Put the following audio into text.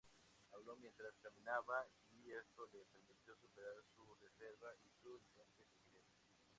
Habló mientras caminaba, y esto le permitió superar su reserva y su intensa timidez.